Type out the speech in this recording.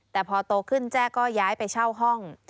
แต่พอโตขึ้นแจ้ก็ย้ายไปเช่าห้อง